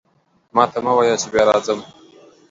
ماته مه وایه چې بیا راځم.